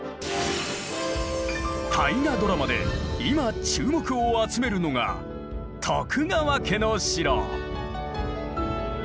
大河ドラマで今注目を集めるのが徳川家の城。